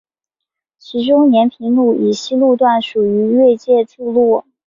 其中延平路以西路段属于越界筑路。